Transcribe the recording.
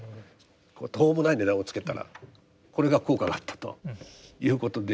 途方もない値段をつけたらこれが効果があったということで。